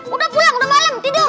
udah pulang udah malam tidur